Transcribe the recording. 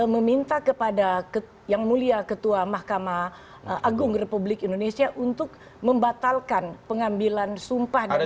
meminta kepada yang mulia ketua mahkamah agung republik indonesia untuk membatalkan pengambilan sumpah dari